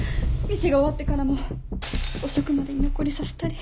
店が終わってからも遅くまで居残りさせたり。